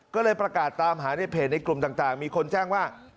ก็เลยประกาศตามหาในเพจในกลุ่มต่างมีคนแจ้งว่า